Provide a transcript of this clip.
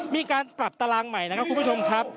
มีการปรับตารางใหม่นะครับคุณผู้ชมครับ